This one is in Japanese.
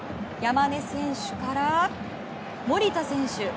山根選手から守田選手。